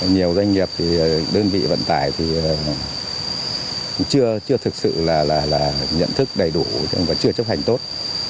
nhiều doanh nghiệp thì đơn vị vận tải thì chưa thực sự là nhận thức đầy đủ và chưa chấp hành tốt